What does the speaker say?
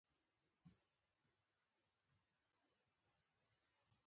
د دؤو ټوټو نه د اوبو يو يو څک کېږي